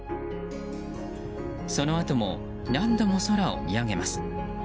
そのあとも何度も空を見上げます。